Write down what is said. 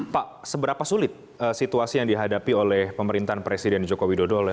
pak seberapa sulit situasi yang dihadapi oleh pemerintahan presiden joko widodo